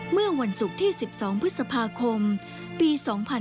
เมื่อวันศุกร์ที่๑๒พฤษภาคมปี๒๕๕๙